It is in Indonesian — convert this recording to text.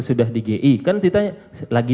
sudah di gi kan kita lagi